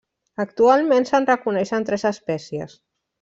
Actualment se'n reconeixen tres espècies.